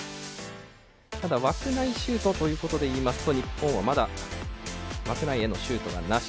ただ、枠内シュートということでいいますと日本はまだ枠内へのシュートがなし。